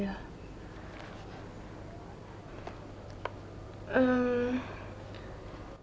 kenapa memilih rumah ini